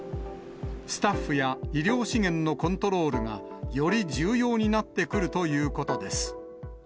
スタッフや医療資源のコントロールが、より重要になってくるということです。